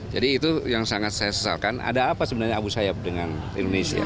jadi itu yang sangat saya sesalkan ada apa sebenarnya abu sayyaf dengan indonesia